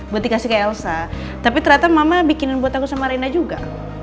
buat dikasih ke elsa tapi ternyata mama bikinin buat aku sama rena juga